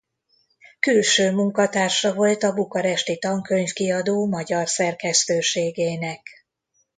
Külső munkatársa volt a bukaresti Tankönyvkiadó magyar szerkesztőségének.